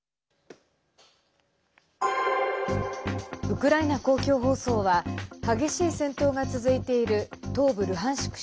ウクライナ公共放送は激しい戦闘が続いている東部ルハンシク